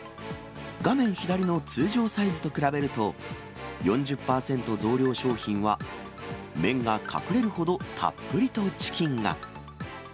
画面左の通常サイズと比べると、４０％増量商品は麺が隠れるほど、たっぷりとチキンが。